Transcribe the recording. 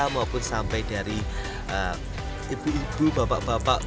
maupun sampai dari ibu ibu bapak bapak